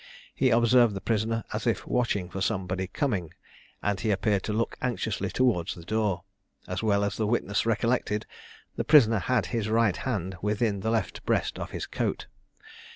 He observed the prisoner as if watching for somebody coming, and he appeared to look anxiously towards the door. As well as the witness recollected, the prisoner had his right hand within the left breast of his coat.